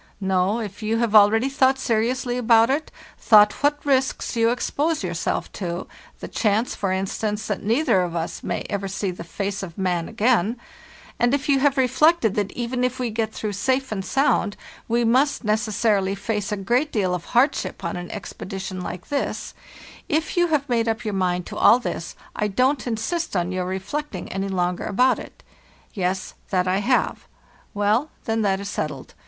'No, if 8 FARTHEST NORTH you have already thought it seriously over — thought what risks you expose yourself tothe chance, for in stance, that neither of us may ever see the face of man again—and if you have reflected that even if we get through safe and sound you must necessarily face a great deal of hardship on an expedition like this—if you have made up your mind to all this I don't insist on your re flecting any longer about it. 'Yes, that I have. ' Well, then, that is settled.